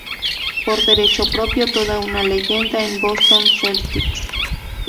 Por derecho propio, toda una leyenda en Boston Celtics.